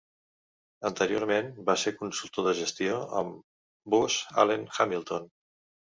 Anteriorment, va ser consultor de gestió amb Booz Allen Hamilton.